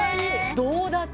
どうだった？